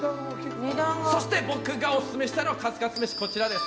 そして僕がオススメしたいカツカツ飯はこちら。